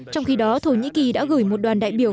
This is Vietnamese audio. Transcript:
trong khi đó thổ nhĩ kỳ đã gửi một đoàn đại biểu